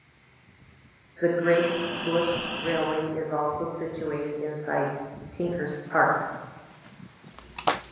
The Great Bush Railway is also situated inside Tinkers Park.